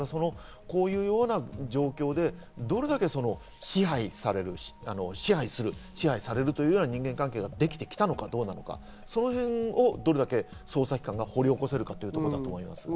もしそうだとすればこういうような状況で、どれだけ支配する、支配されるという人間関係ができてきたのかどうか、その辺をどれだけ捜査機関が掘り起こせるかだと思います。